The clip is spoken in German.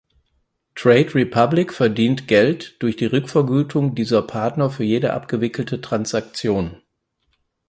Trade Republic verdient Geld durch die Rückvergütung dieser Partner für jede abgewickelte Transaktion.